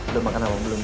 udah makan apa belum gitu